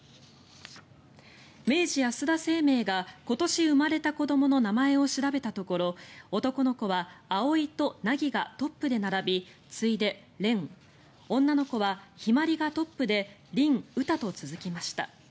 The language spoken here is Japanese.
明治安田生命が今年生まれた子どもの名前を調べたところ男の子は蒼と凪がトップで並び次いで蓮女の子は陽葵がトップで凛、詩と続きました。